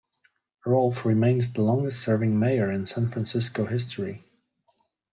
Rolph remains the longest serving mayor in San Francisco history.